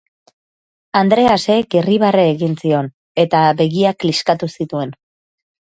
Andreasek irribarre egin zion, eta begiak kliskatu zituen.